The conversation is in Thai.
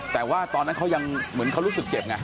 แต่ว่าตอนนั้นเขายังเหมือนเขารู้สึกเจ็บไง